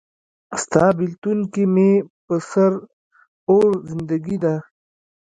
ستا بیلتون کې مې په سره اور زندګي ده